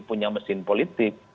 punya mesin politik